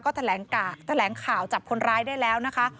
ก็แถลงข่าวจับคนร้ายได้แล้วนะคะ